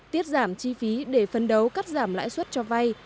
tiết giảm chi phí để phân đấu cắt giảm lãi suất cho vay